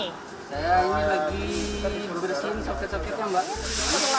saya ini lagi beresin soket soketnya mbak